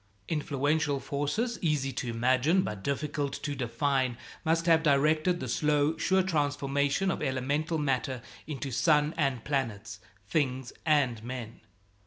Influential forces, easy to imagine, but difficult to define, must have directed the slow, sure transformation of elemental matter into sun and planets, things and men.